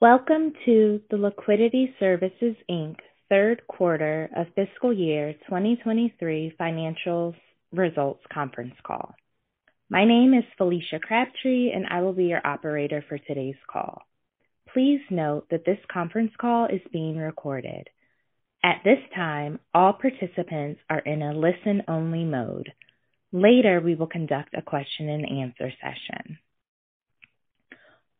Welcome to the Liquidity Services Inc. third quarter of fiscal year 2023 financials results conference call. My name is Felicia Crabtree, and I will be your operator for today's call. Please note that this conference call is being recorded. At this time, all participants are in a listen-only mode. Later, we will conduct a question-and-answer session.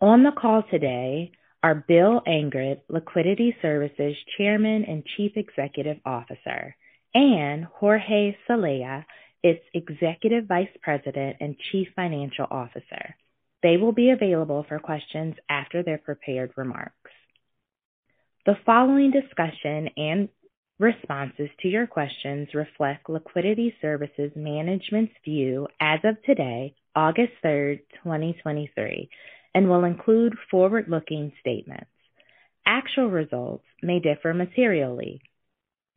On the call today are Bill Angrick, Liquidity Services Chairman and Chief Executive Officer, and Jorge Celaya, its Executive Vice President and Chief Financial Officer. They will be available for questions after their prepared remarks. The following discussion and responses to your questions reflect Liquidity Services management's view as of today, August 3rd, 2023, and will include forward-looking statements. Actual results may differ materially.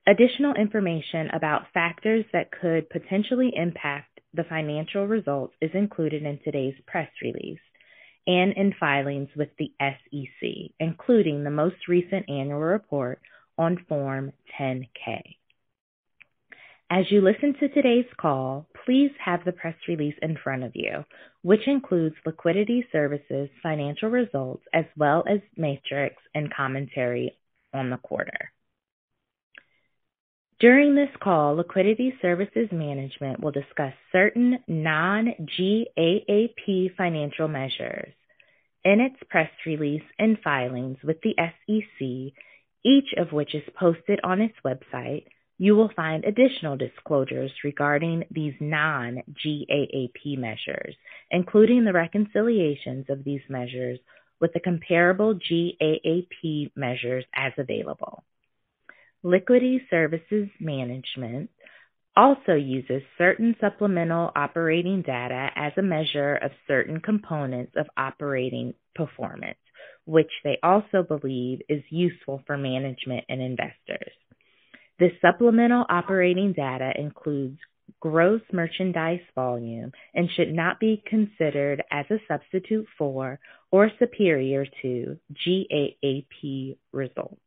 Additional information about factors that could potentially impact the financial results is included in today's press release and in filings with the SEC, including the most recent annual report on Form 10-K. As you listen to today's call, please have the press release in front of you, which includes Liquidity Services financial results, as well as metrics and commentary on the quarter. During this call, Liquidity Services management will discuss certain non-GAAP financial measures. In its press release and filings with the SEC, each of which is posted on its website, you will find additional disclosures regarding these non-GAAP measures, including the reconciliations of these measures with the comparable GAAP measures as available. Liquidity Services management also uses certain supplemental operating data as a measure of certain components of operating performance, which they also believe is useful for management and investors. This supplemental operating data includes Gross Merchandise Volume and should not be considered as a substitute for or superior to GAAP results.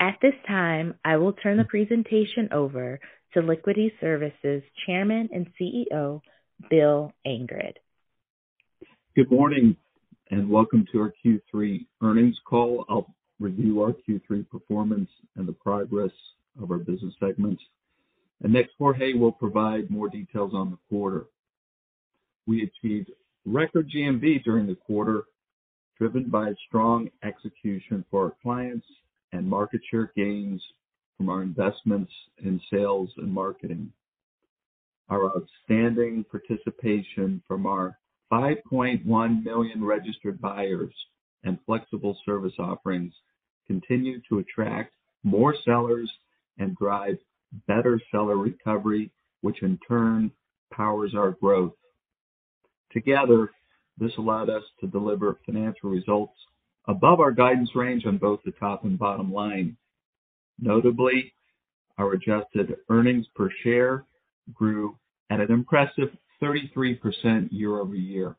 At this time, I will turn the presentation over to Liquidity Services Chairman and CEO, Bill Angrick. Good morning and welcome to our Q3 earnings call. I'll review our Q3 performance and the progress of our business segments, and next, Jorge will provide more details on the quarter. We achieved record GMV during the quarter, driven by strong execution for our clients and market share gains from our investments in sales and marketing. Our outstanding participation from our 5.1 million registered buyers and flexible service offerings continued to attract more sellers and drive better seller recovery, which in turn powers our growth. Together, this allowed us to deliver financial results above our guidance range on both the top and bottom line. Notably, our adjusted earnings per share grew at an impressive 33% year-over-year.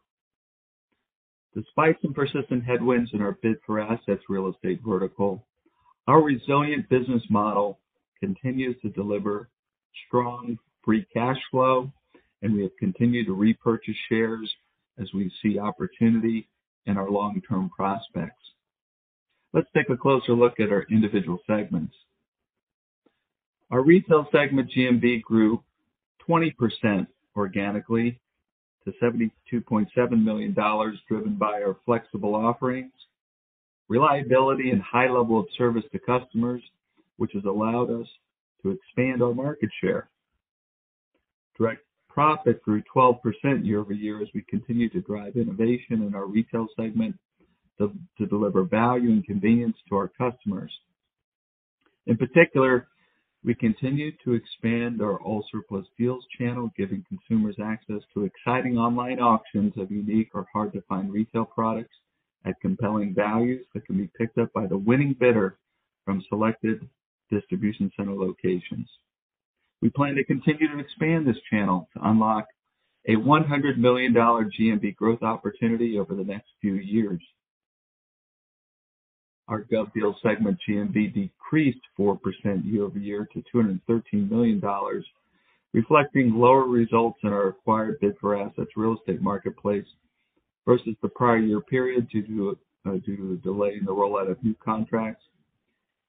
Despite some persistent headwinds in our Bid4Assets real estate vertical, our resilient business model continues to deliver strong free cash flow. We have continued to repurchase shares as we see opportunity in our long-term prospects. Let's take a closer look at our individual segments. Our retail segment GMV grew 20% organically to $72.7 million, driven by our flexible offerings, reliability and high level of service to customers, which has allowed us to expand our market share. Direct profit grew 12% year-over-year as we continue to drive innovation in our retail segment to deliver value and convenience to our customers. In particular, we continued to expand our AllSurplus Deals channel, giving consumers access to exciting online auctions of unique or hard-to-find retail products at compelling values that can be picked up by the winning bidder from selected distribution center locations. We plan to continue to expand this channel to unlock a $100 million GMV growth opportunity over the next few years. Our GovDeals segment GMV decreased 4% year-over-year to $213 million, reflecting lower results in our acquired Bid4Assets real estate marketplace versus the prior year period due to a delay in the rollout of new contracts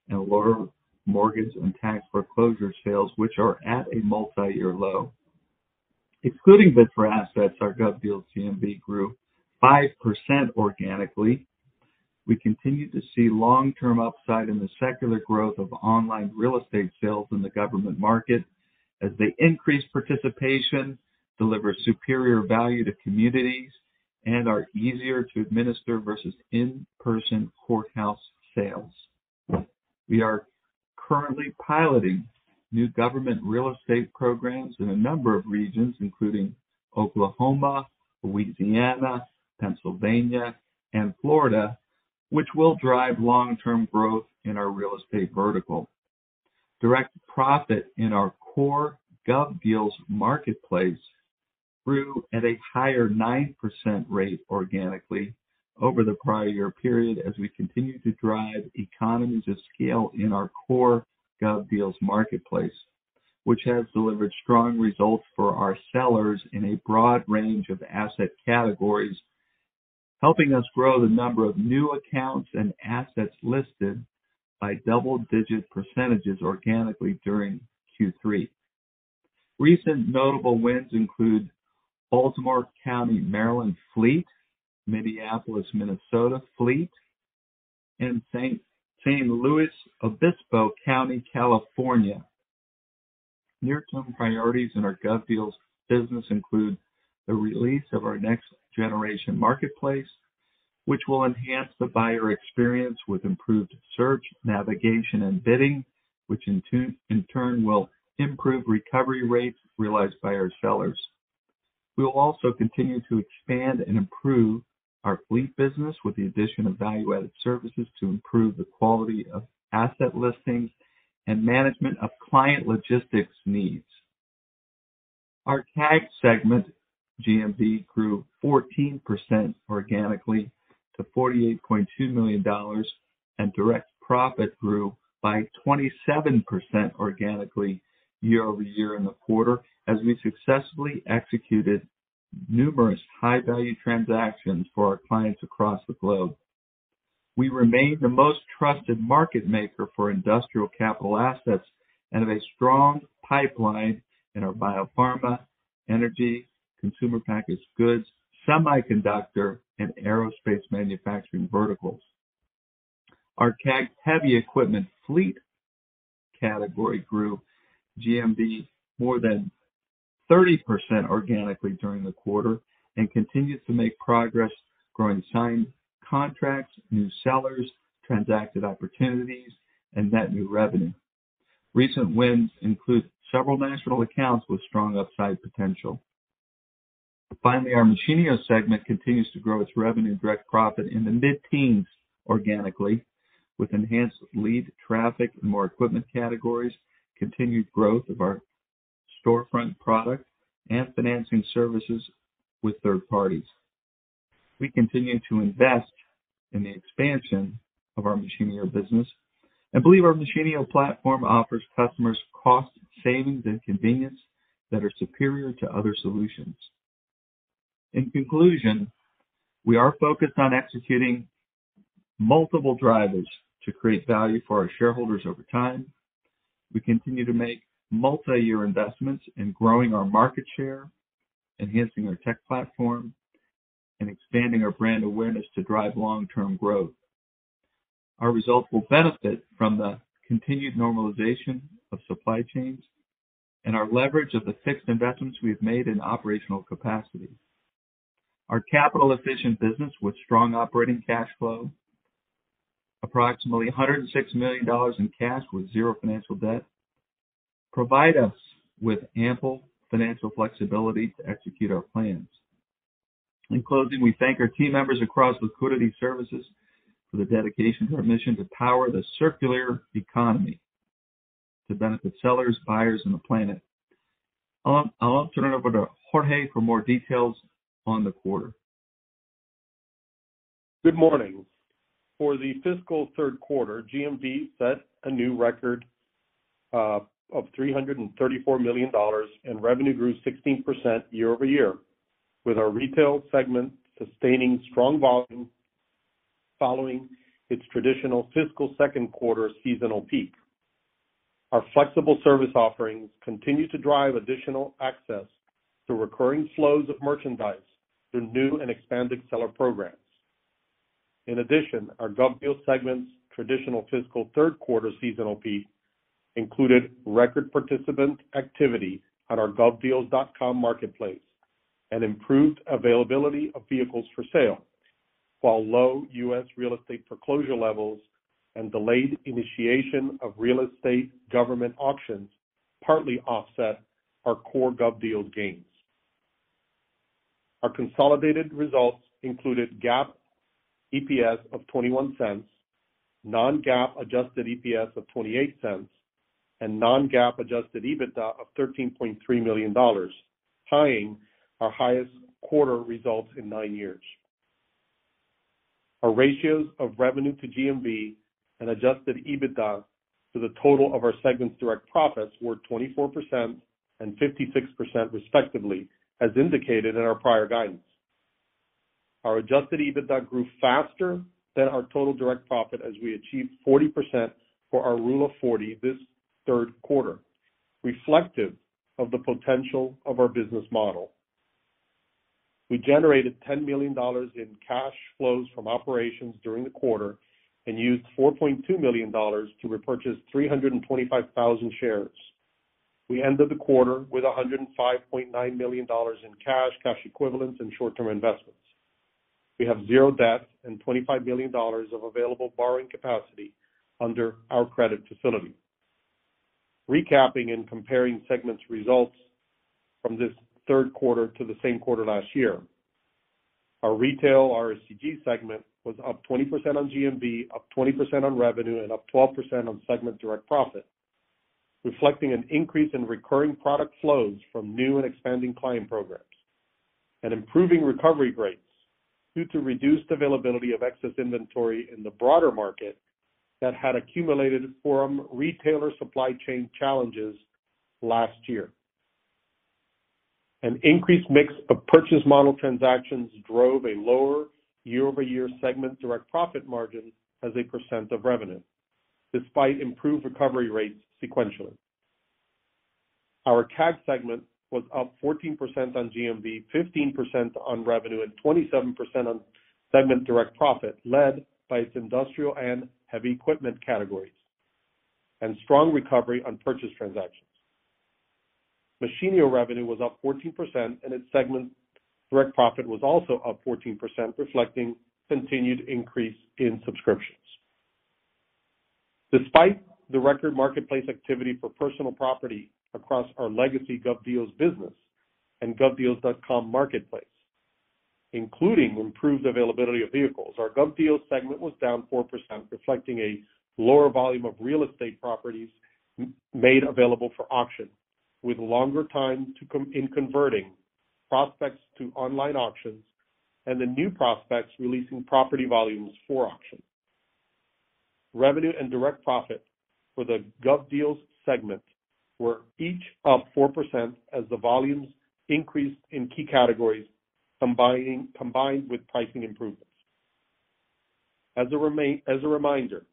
and lower mortgage and tax foreclosure sales, which are at a multi-year low. Excluding Bid4Assets, our GovDeals GMV grew 5% organically. We continue to see long-term upside in the secular growth of online real estate sales in the government market as they increase participation, deliver superior value to communities, and are easier to administer versus in-person courthouse sales. We are currently piloting new government real estate programs in a number of regions, including Oklahoma, Louisiana, Pennsylvania, and Florida, which will drive long-term growth in our real estate vertical. Direct profit in our core GovDeals marketplace grew at a higher 9% rate organically over the prior year period, as we continued to drive economies of scale in our core GovDeals marketplace, which has delivered strong results for our sellers in a broad range of asset categories, helping us grow the number of new accounts and assets listed by double-digit percentages organically during Q3. Recent notable wins include Baltimore County, Maryland, fleet, Minneapolis, Minnesota, fleet, and San Luis Obispo County, California. Near-term priorities in our GovDeals business include the release of our next-generation marketplace, which will enhance the buyer experience with improved search, navigation, and bidding, which in turn, in turn will improve recovery rates realized by our sellers. We will also continue to expand and improve our fleet business with the addition of value-added services to improve the quality of asset listings and management of client logistics needs. Our CAG segment, GMV, grew 14% organically to $48.2 million, and direct profit grew by 27% organically year over year in the quarter, as we successfully executed numerous high-value transactions for our clients across the globe. We remain the most trusted market maker for industrial capital assets and have a strong pipeline in our biopharma, energy, consumer packaged goods, semiconductor, and aerospace manufacturing verticals. Our CAG heavy equipment fleet category grew GMV more than 30% organically during the quarter and continues to make progress growing signed contracts, new sellers, transacted opportunities, and net new revenue. Recent wins include several national accounts with strong upside potential. Finally, our Machinio segment continues to grow its revenue and direct profit in the mid-teens organically, with enhanced lead traffic and more equipment categories, continued growth of our storefront product and financing services with third parties. We continue to invest in the expansion of our Machinio business and believe our Machinio platform offers customers cost savings and convenience that are superior to other solutions. In conclusion, we are focused on executing multiple drivers to create value for our shareholders over time. We continue to make multi-year investments in growing our market share, enhancing our tech platform, and expanding our brand awareness to drive long-term growth. Our results will benefit from the continued normalization of supply chains and our leverage of the fixed investments we've made in operational capacity. Our capital-efficient business, with strong operating cash flow, approximately $106 million in cash with zero financial debt, provide us with ample financial flexibility to execute our plans. In closing, we thank our team members across Liquidity Services for their dedication to our mission to power the circular economy to benefit sellers, buyers, and the planet. I'll turn it over to Jorge for more details on the quarter. Good morning. For the fiscal third quarter, GMV set a new record of $334 million, and revenue grew 16% year-over-year, with our retail segment sustaining strong volume following its traditional fiscal second quarter seasonal peak. Our flexible service offerings continue to drive additional access to recurring flows of merchandise through new and expanded seller programs. In addition, our GovDeals segment's traditional fiscal third quarter seasonal peak included record participant activity on our GovDeals.com marketplace and improved availability of vehicles for sale, while low U.S. real estate foreclosure levels and delayed initiation of real estate government auctions partly offset our core GovDeals gains. Our consolidated results included GAAP EPS of $0.21, non-GAAP Adjusted EPS of $0.28, and non-GAAP Adjusted EBITDA of $13.3 million, tying our highest quarter results in nine years. Our ratios of revenue to GMV and Adjusted EBITDA to the total of our segment's direct profits were 24% and 56%, respectively, as indicated in our prior guidance. Our Adjusted EBITDA grew faster than our total direct profit as we achieved 40% for our Rule of 40 this third quarter, reflective of the potential of our business model. We generated $10 million in cash flows from operations during the quarter and used $4.2 million to repurchase 325,000 shares. We ended the quarter with $105.9 million in cash, cash equivalents, and short-term investments. We have zero debt and $25 million of available borrowing capacity under our credit facility. Comparing segments results from this third quarter to the same quarter last year.... Our retail RSCG segment was up 20% on GMV, up 20% on revenue, and up 12% on segment direct profit, reflecting an increase in recurring product flows from new and expanding client programs and improving recovery rates due to reduced availability of excess inventory in the broader market that had accumulated from retailer supply chain challenges last year. An increased mix of purchase model transactions drove a lower year-over-year segment direct profit margin as a % of revenue, despite improved recovery rates sequentially. Our CAG segment was up 14% on GMV, 15% on revenue, and 27% on segment direct profit, led by its industrial and heavy equipment categories, and strong recovery on purchase transactions. Machinio revenue was up 14%, and its segment direct profit was also up 14%, reflecting continued increase in subscriptions. Despite the record marketplace activity for personal property across our legacy GovDeals business and GovDeals.com marketplace, including improved availability of vehicles, our GovDeals segment was down 4%, reflecting a lower volume of real estate properties made available for auction, with longer time to in converting prospects to online auctions and the new prospects releasing property volumes for auction. Revenue and direct profit for the GovDeals segment were each up 4% as the volumes increased in key categories, combined with pricing improvements. As a reminder,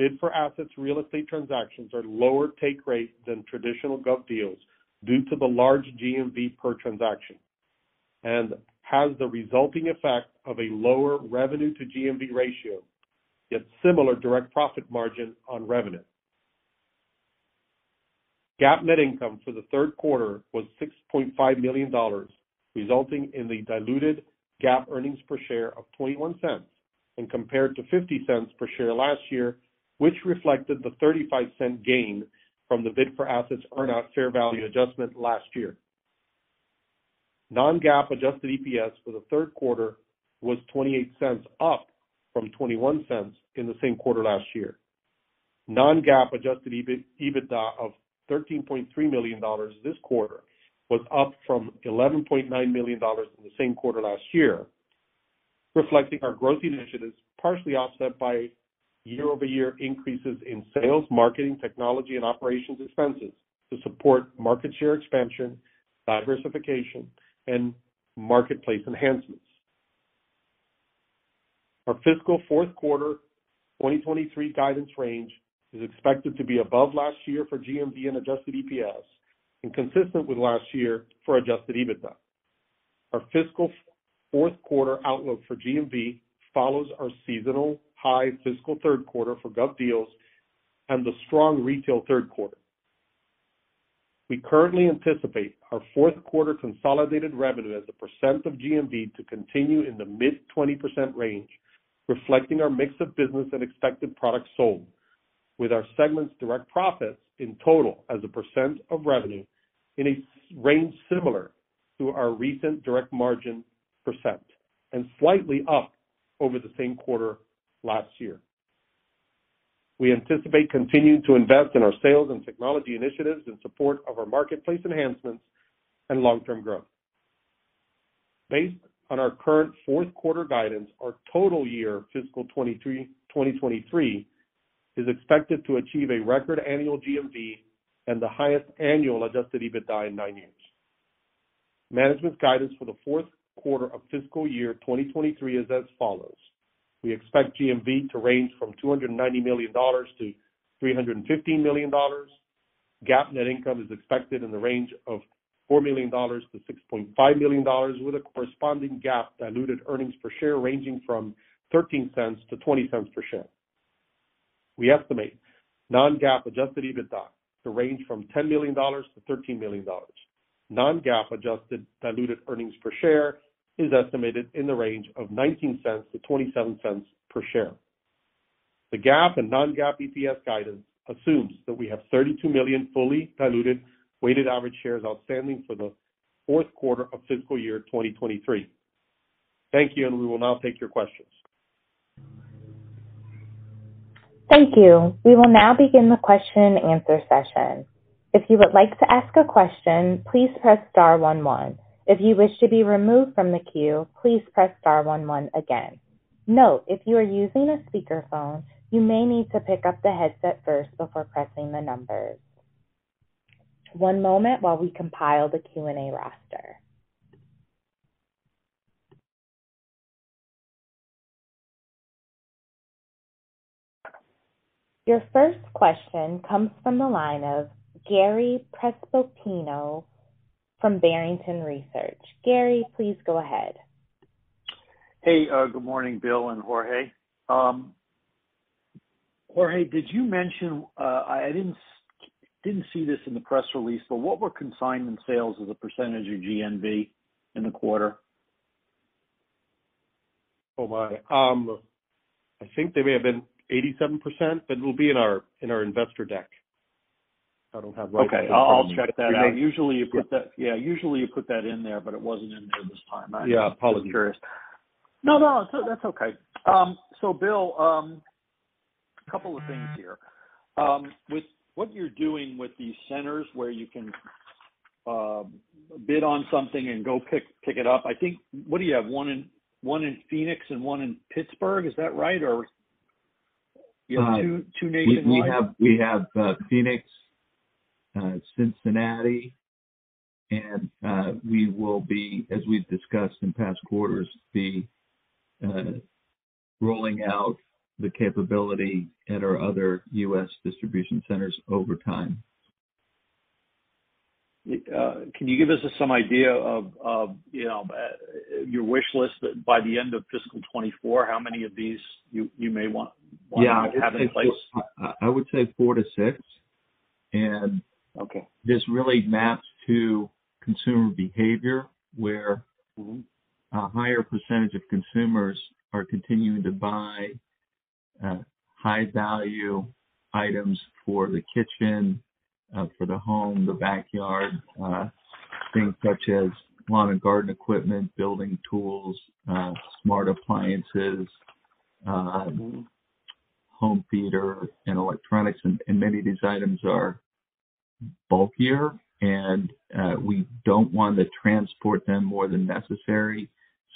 Bid4Assets real estate transactions are lower take rate than traditional GovDeals due to the large GMV per transaction and has the resulting effect of a lower revenue to GMV ratio, yet similar direct profit margin on revenue. GAAP net income for the third quarter was $6.5 million, resulting in the diluted GAAP earnings per share of $0.21, and compared to $0.50 per share last year, which reflected the $0.35 gain from the Bid4Assets earn-out fair value adjustment last year. Non-GAAP Adjusted EPS for the third quarter was $0.28, up from $0.21 in the same quarter last year. Non-GAAP Adjusted EBITDA of $13.3 million this quarter was up from $11.9 million in the same quarter last year, reflecting our growth initiatives, partially offset by year-over-year increases in sales, marketing, technology, and operations expenses to support market share expansion, diversification, and marketplace enhancements. Our fiscal fourth quarter 2023 guidance range is expected to be above last year for GMV and Adjusted EPS, and consistent with last year for Adjusted EBITDA. Our fiscal 4th quarter outlook for GMV follows our seasonal high fiscal 3rd quarter for GovDeals and the strong retail 3rd quarter. We currently anticipate our 4th quarter consolidated revenue as a % of GMV to continue in the mid-20% range, reflecting our mix of business and expected products sold, with our segment's direct profits in total as a % of revenue in a range similar to our recent direct margin % and slightly up over the same quarter last year. We anticipate continuing to invest in our sales and technology initiatives in support of our marketplace enhancements and long-term growth. Based on our current 4th quarter guidance, our total year fiscal 2023 is expected to achieve a record annual GMV and the highest annual Adjusted EBITDA in nine years. Management guidance for the fourth quarter of fiscal year 2023 is as follows: We expect GMV to range from $290 million-$315 million. GAAP net income is expected in the range of $4 million-$6.5 million, with a corresponding GAAP diluted earnings per share ranging from $0.13-$0.20 per share. We estimate non-GAAP adjusted EBITDA to range from $10 million-$13 million. Non-GAAP adjusted diluted earnings per share is estimated in the range of $0.19-$0.27 per share. The GAAP and non-GAAP EPS guidance assumes that we have 32 million fully diluted weighted average shares outstanding for the fourth quarter of fiscal year 2023. Thank you, and we will now take your questions. Thank you. We will now begin the question and answer session. If you would like to ask a question, please press star one, one. If you wish to be removed from the queue, please press star one, one again. Note, if you are using a speakerphone, you may need to pick up the headset first before pressing the numbers. One moment while we compile the Q&A roster. Your first question comes from the line of Gary Prestopino from Barrington Research. Gary, please go ahead. Hey, good morning, Bill and Jorge. Jorge, did you mention, I didn't see this in the press release, but what were consignment sales as a % of GMV in the quarter?... Oh, my. I think they may have been 87%, but it will be in our, in our investor deck. I don't have- Okay, I'll, I'll check that out. Yeah. Usually you put that-- Yeah, usually you put that in there, but it wasn't in there this time. Yeah, probably. Just curious. No, no, so that's okay. Bill, couple of things here. With what you're doing with these centers where you can, bid on something and go pick, pick it up, I think, what do you have? One in, one in Phoenix and one in Pittsburgh, is that right? Or you have two, two nationwide? We, we have, we have Phoenix, Cincinnati, and we will be, as we've discussed in past quarters, be rolling out the capability at our other US distribution centers over time. Can you give us some idea of, of, you know, your wish list that by the end of fiscal 2024, how many of these you, you may want-? Yeah. to have in place? I, I would say four to six. Okay this really maps to consumer behavior, where- Mm-hmm A higher percentage of consumers are continuing to buy high-value items for the kitchen, for the home, the backyard, things such as lawn and garden equipment, building tools, smart appliances, home theater and electronics. Many of these items are bulkier, and we don't want to transport them more than necessary.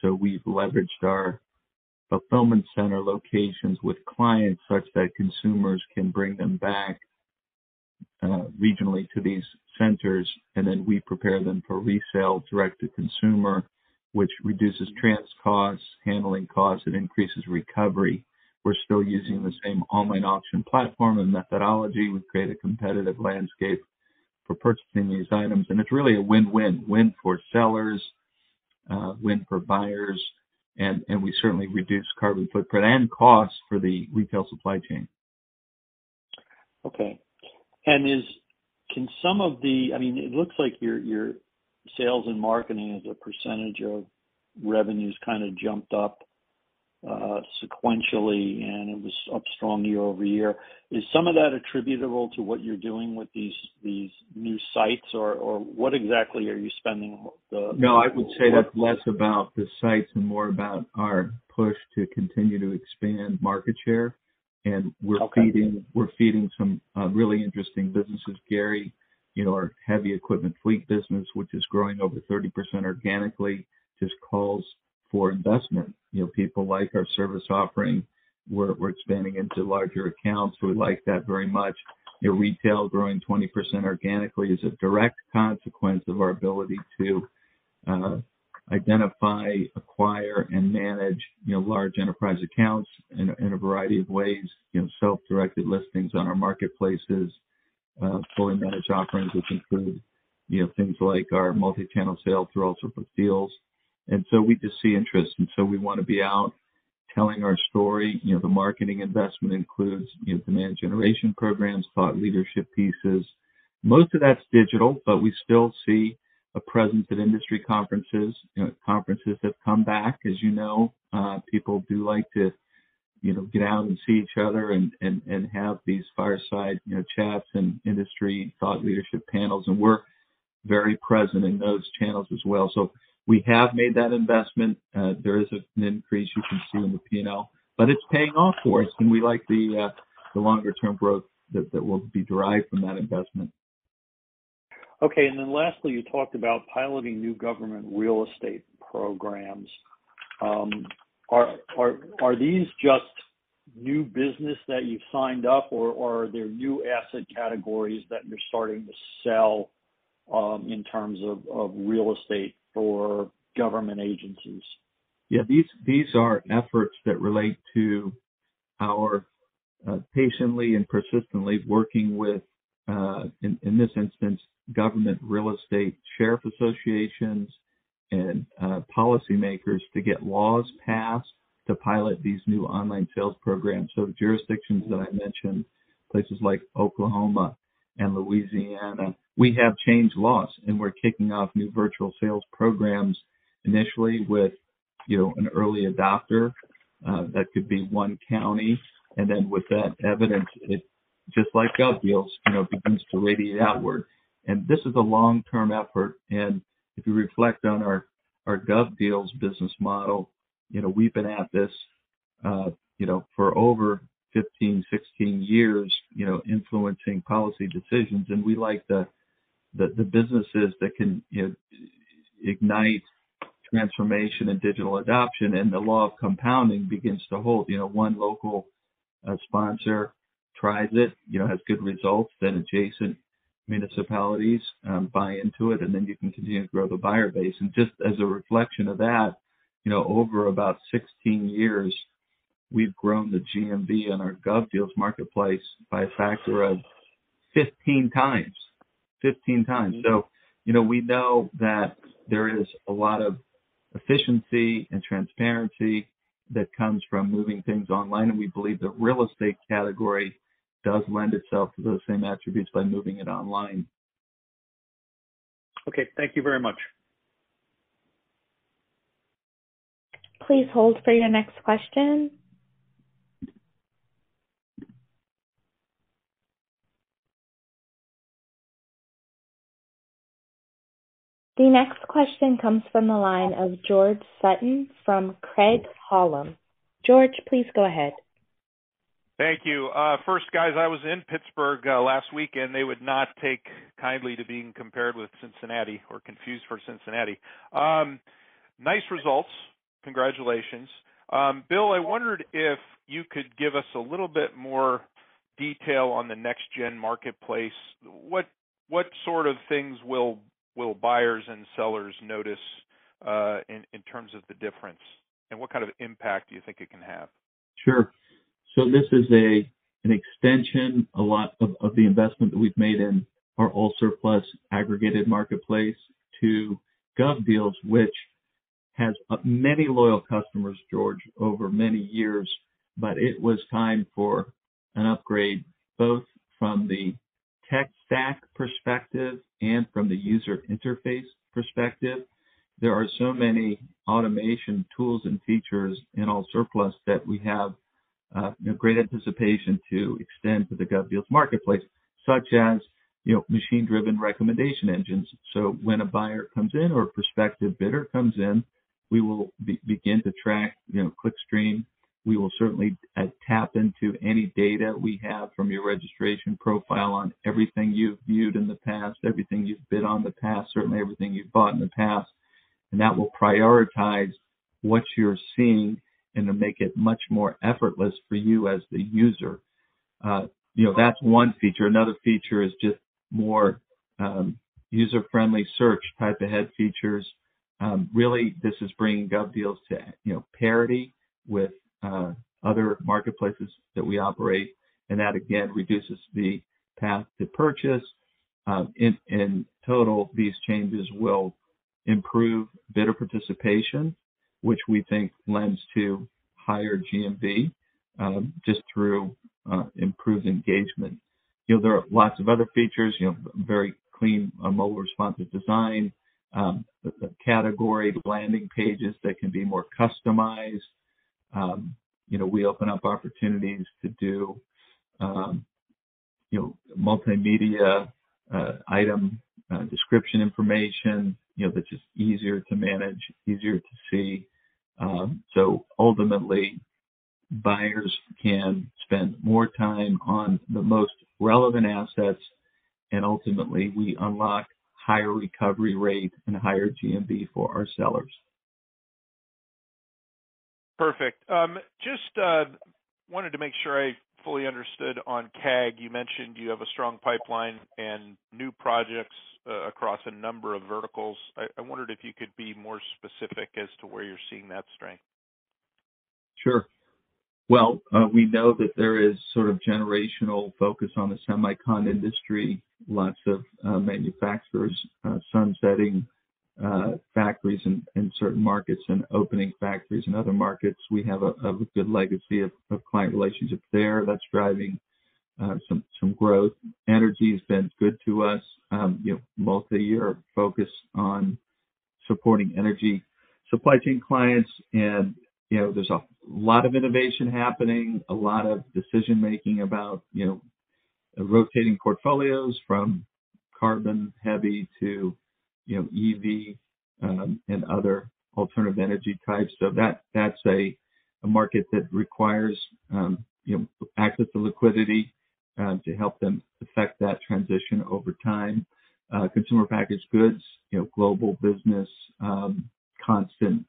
We've leveraged our fulfillment center locations with clients such that consumers can bring them back regionally to these centers, and then we prepare them for resale direct to consumer, which reduces transport costs, handling costs, and increases recovery. We're still using the same online auction platform and methodology. We've created a competitive landscape for purchasing these items, and it's really a win-win. Win for sellers, win for buyers, and we certainly reduce carbon footprint and costs for the retail supply chain. Okay. I mean, it looks like your, your sales and marketing as a % of revenues kind of jumped up sequentially, and it was up strongly year-over-year. Is some of that attributable to what you're doing with these, these new sites, or, or what exactly are you spending? No, I would say that's less about the sites and more about our push to continue to expand market share. Okay. We're feeding, we're feeding some really interesting businesses, Gary. You know, our heavy equipment fleet business, which is growing over 30% organically, just calls for investment. You know, people like our service offering. We're, we're expanding into larger accounts. We like that very much. You know, retail growing 20% organically is a direct consequence of our ability to identify, acquire, and manage, you know, large enterprise accounts in a variety of ways. You know, self-directed listings on our marketplaces, fully managed offerings, which include, you know, things like our multi-channel sales through AllSurplus Deals. We just see interest, and so we want to be out, telling our story. You know, the marketing investment includes, you know, demand generation programs, thought leadership pieces. Most of that's digital, but we still see a presence at industry conferences. You know, conferences have come back, as you know. People do like to, you know, get out and see each other and, and, and have these fireside, you know, chats and industry thought leadership panels, and we're very present in those channels as well. We have made that investment. There is an increase you can see in the P&L, but it's paying off for us, and we like the, uh, the longer-term growth that, that will be derived from that investment. Okay, lastly, you talked about piloting new government real estate programs. Are these just new business that you've signed up, or are there new asset categories that you're starting to sell in terms of real estate for government agencies? Yeah, these, these are efforts that relate to our patiently and persistently working with in this instance, government real estate sheriff associations and policymakers, to get laws passed to pilot these new online sales programs. The jurisdictions that I mentioned, places like Oklahoma and Louisiana, we have changed laws, and we're kicking off new virtual sales programs initially with, you know, an early adopter that could be one county. Then with that evidence, it, just like GovDeals, you know, begins to radiate outward. This is a long-term effort, and if you reflect on our GovDeals business model, you know, we've been at this, you know, for over 15, 16 years, you know, influencing policy decisions, and we like the businesses that can, you know, ignite transformation and digital adoption, and the law of compounding begins to hold. You know, one local sponsor tries it, you know, has good results, then adjacent municipalities buy into it, then you can continue to grow the buyer base. Just as a reflection of that, you know, over about 16 years, we've grown the GMV and our GovDeals marketplace by a factor of 15 times. 15 times. We know that there is a lot of efficiency and transparency that comes from moving things online, and we believe the real estate category does lend itself to those same attributes by moving it online. Okay, thank you very much. Please hold for your next question. The next question comes from the line of George Sutton from Craig-Hallum. George, please go ahead. Thank you. First, guys, I was in Pittsburgh last weekend. They would not take kindly to being compared with Cincinnati or confused for Cincinnati. Nice results. Congratulations. Bill, I wondered if you could give us a little bit more detail on the next gen marketplace. What sort of things will buyers and sellers notice in terms of the difference? What kind of impact do you think it can have? This is a, an extension, a lot of, of the investment that we've made in our AllSurplus aggregated marketplace to GovDeals, which has many loyal customers, George, over many years. It was time for an upgrade, both from the tech stack perspective and from the user interface perspective. There are so many automation tools and features in AllSurplus that we have, you know, great anticipation to extend to the GovDeals marketplace, such as, you know, machine-driven recommendation engines. When a buyer comes in or a prospective bidder comes in, we will begin to track, you know, clickstream. We will certainly tap into any data we have from your registration profile on everything you've viewed in the past, everything you've bid on in the past, certainly everything you've bought in the past, and that will prioritize what you're seeing and then make it much more effortless for you as the user. You know, that's one feature. Another feature is just more user-friendly search, type-ahead features. Really, this is bringing GovDeals to, you know, parity with other marketplaces that we operate, and that, again, reduces the path to purchase. In, in total, these changes will improve bidder participation, which we think lends to higher GMV, just through improved engagement. You know, there are lots of other features, you know, very clean, a mobile-responsive design, the, the category, the landing pages that can be more customized. You know, we open up opportunities to do, you know, multimedia, item, description information, you know, that's just easier to manage, easier to see. Ultimately, buyers can spend more time on the most relevant assets, and ultimately, we unlock higher recovery rate and higher GMV for our sellers. Perfect. Just wanted to make sure I fully understood on CAG. You mentioned you have a strong pipeline and new projects across a number of verticals. I wondered if you could be more specific as to where you're seeing that strength. Sure. Well, we know that there is sort of generational focus on the semicon industry. Lots of manufacturers, sunsetting factories in certain markets and opening factories in other markets. We have a good legacy of client relationships there that's driving some growth. Energy has been good to us. You know, multiyear focus on supporting energy supply chain clients and, you know, there's a lot of innovation happening, a lot of decision-making about, you know, rotating portfolios from carbon-heavy to, you know, EV, and other alternative energy types. That, that's a market that requires, you know, access to liquidity to help them effect that transition over time. Consumer packaged goods, you know, global business, constant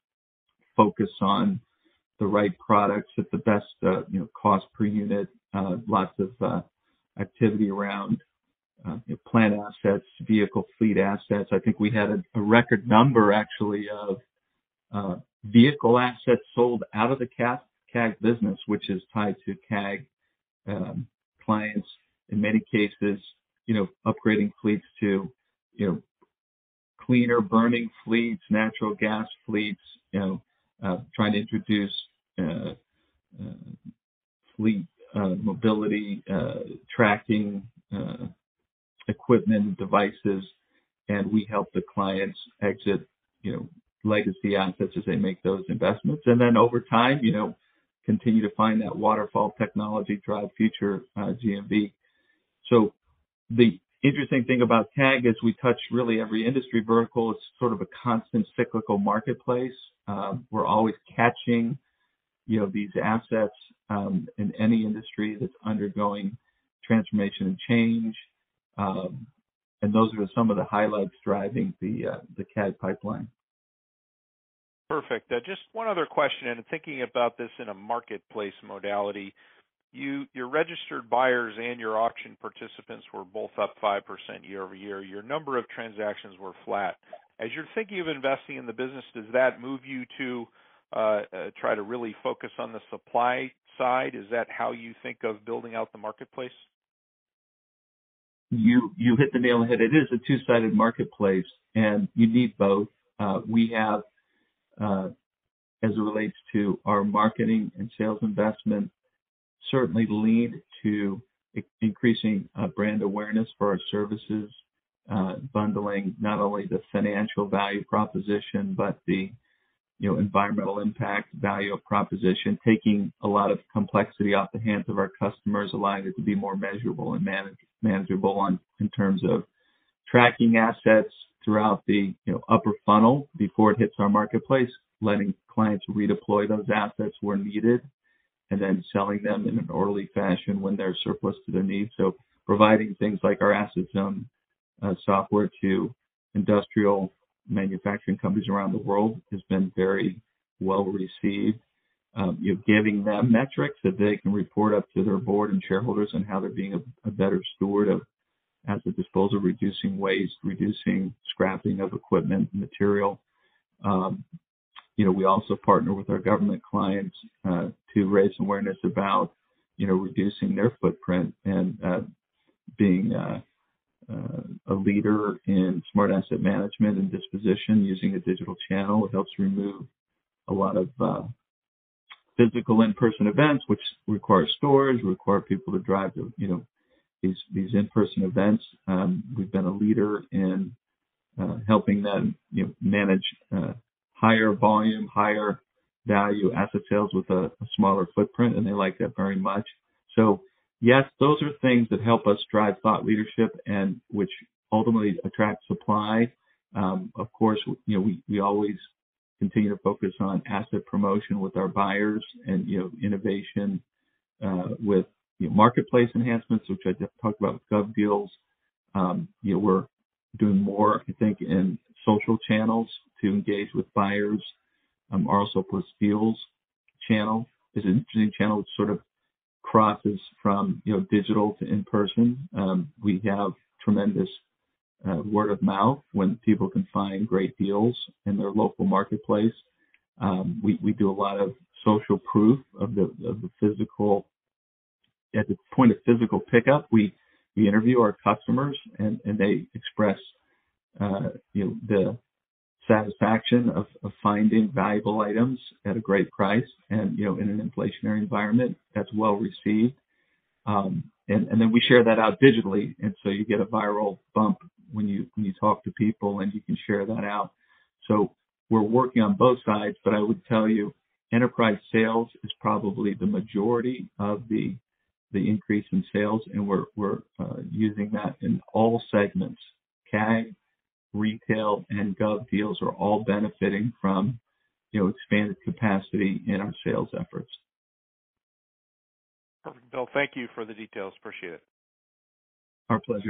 focus on the right products at the best, you know, cost per unit. Lots of activity around, you know, plant assets, vehicle fleet assets. I think we had a record number, actually, of vehicle assets sold out of the CAS-CAG business, which is tied to CAG clients, in many cases, you know, upgrading fleets to, you know, cleaner burning fleets, natural gas fleets, you know, trying to introduce fleet mobility tracking equipment, devices. We help the clients exit, you know, legacy assets as they make those investments. Over time, you know, continue to find that waterfall technology drive future GMV. The interesting thing about CAG is we touch really every industry vertical. It's sort of a constant cyclical marketplace. We're always catching, you know, these assets, in any industry that's undergoing transformation and change. Those are some of the highlights driving the CAG pipeline. Perfect. Just one other question, and thinking about this in a marketplace modality. Your registered buyers and your auction participants were both up 5% year over year. Your number of transactions were flat. As you're thinking of investing in the business, does that move you to try to really focus on the supply side? Is that how you think of building out the marketplace? You, you hit the nail on the head. It is a two-sided marketplace, and you need both. We have, as it relates to our marketing and sales investment certainly lead to increasing brand awareness for our services, bundling not only the financial value proposition, but the, you know, environmental impact value proposition, taking a lot of complexity off the hands of our customers, allowing it to be more measurable and manageable in terms of tracking assets throughout the, you know, upper funnel before it hits our marketplace, letting clients redeploy those assets where needed, and then selling them in an orderly fashion when they're surplus to their needs. Providing things like our AssetZone software to industrial manufacturing companies around the world has been very well received. You know, giving them metrics that they can report up to their board and shareholders on how they're being a, a better steward of asset disposal, reducing waste, reducing scrapping of equipment and material. You know, we also partner with our government clients to raise awareness about, you know, reducing their footprint and being a leader in smart asset management and disposition. Using a digital channel helps remove a lot of physical in-person events, which require storage, require people to drive to, you know, these, these in-person events. We've been a leader in helping them, you know, manage higher volume, higher value asset sales with a, a smaller footprint, and they like that very much. Yes, those are things that help us drive thought leadership and which ultimately attracts supply. Of course, you know, we, we always continue to focus on asset promotion with our buyers and, you know, innovation, with, you know, marketplace enhancements, which I just talked about with GovDeals. You know, we're doing more, I think, in social channels to engage with buyers. Our AllSurplus Deals channel is an interesting channel. It sort of crosses from, you know, digital to in-person. We have tremendous, word of mouth when people can find great deals in their local marketplace. We, we do a lot of social proof of the, of the physical... At the point of physical pickup, we, we interview our customers, and, and they express, you know, the satisfaction of, of finding valuable items at a great price, and, you know, in an inflationary environment, that's well received. Then we share that out digitally, you get a viral bump when you, when you talk to people, and you can share that out. We're working on both sides, but I would tell you, enterprise sales is probably the majority of the, the increase in sales, and we're, we're using that in all segments. CAG, retail, and GovDeals are all benefiting from, you know, expanded capacity in our sales efforts. Perfect, Bill. Thank you for the details. Appreciate it. Our pleasure.